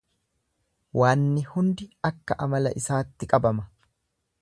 Waanni hundi akka amala isaatti qabama.